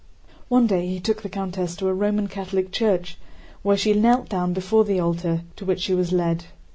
One day he took the countess to a Roman Catholic church, where she knelt down before the altar to which she was led.